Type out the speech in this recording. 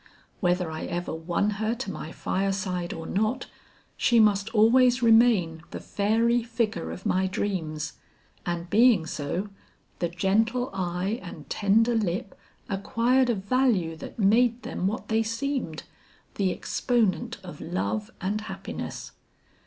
Whether I ever won her to my fireside or not, she must always remain the fairy figure of my dreams, and being so, the gentle eye and tender lip acquired a value that made them what they seemed, the exponent of love and happiness.